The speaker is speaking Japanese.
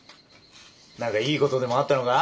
何かいい事でもあったのか？